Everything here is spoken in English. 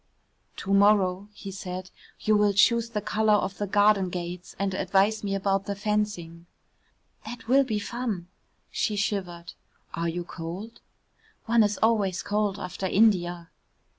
"To morrow," he said, "you will choose the colour of the garden gates and advise me about the fencing." "That will be fun." She shivered. "Are you cold?" "One is always cold after India."